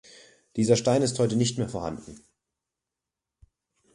Dieser Stein ist heute nicht mehr vorhanden.